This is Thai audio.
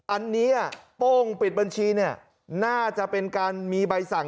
อันนี้โป้งปิดบัญชีเนี่ยน่าจะเป็นการมีใบสั่ง